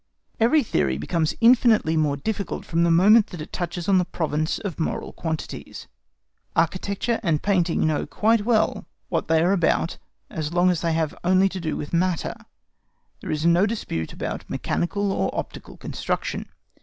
Every theory becomes infinitely more difficult from the moment that it touches on the province of moral quantities. Architecture and painting know quite well what they are about as long as they have only to do with matter; there is no dispute about mechanical or optical construction.